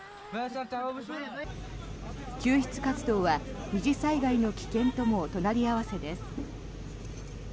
救出活動は二次災害の危険とも隣り合わせです。